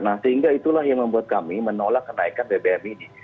nah sehingga itulah yang membuat kami menolak kenaikan bbm ini